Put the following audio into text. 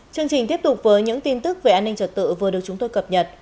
chương trình tiếp tục với những tin tức về an ninh trật tự vừa được chúng tôi cập nhật